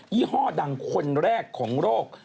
ี่ห้อดังคนแรกของโรค